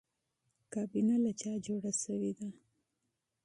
کابینه له چا جوړه شوې ده؟